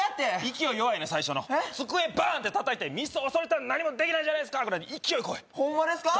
勢い弱いねん最初の机バンッてたたいてミスを恐れてたら何もできないじゃないですか勢いこいほんまですか？